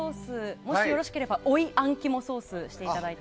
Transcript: もしよろしければ追いあん肝ソースをしていただいて。